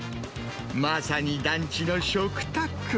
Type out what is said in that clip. まさに団地の食卓。